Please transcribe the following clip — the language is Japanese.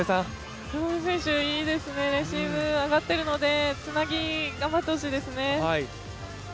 福留選手いいですね、レシーブ上がっているのでつなぎ、頑張ってほしいですね。